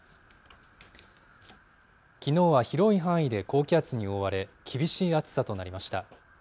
きのうは広い範囲で高気圧に覆われ、厳しい暑さとなりました。